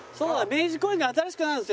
明治公園が新しくなるんですよね。